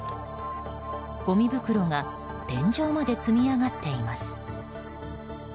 ごみ袋が天井まで積み上がっています。